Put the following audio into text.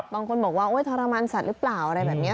บางคนบอกว่าทรมานสัตว์หรือเปล่าอะไรแบบนี้